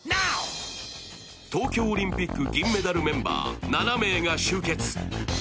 東京オリンピック銀メダルメンバー７名が集結。